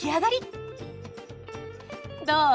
どう？